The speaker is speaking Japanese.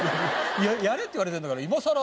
やれって言われてるんだから今さら。